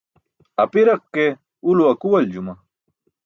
Apiraq ke, ulo akuwaljuma.